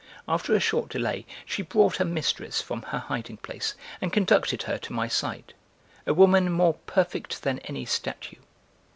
After a short delay she brought her mistress from her hiding place and conducted her to my side; a woman more perfect than any statue.